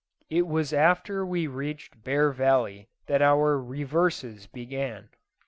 It was after we reached Bear Valley that our reverses began.